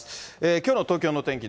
きょうの東京の天気